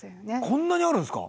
こんなにあるんですか？